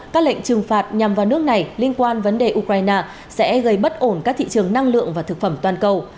các lệnh trừng phạt nhằm vào nước này liên quan vấn đề ukraine sẽ gây bất ổn các thị trường năng lượng và thực phẩm toàn cầu